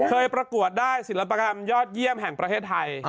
ประกวดได้ศิลปกรรมยอดเยี่ยมแห่งประเทศไทย